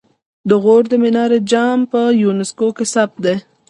د غور د جام منار په یونسکو کې ثبت دی